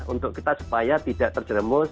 untuk kita supaya tidak terjeremus